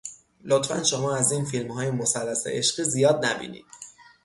لطفاً شما از این فیلم های مثلث عشقی زیاد نبینین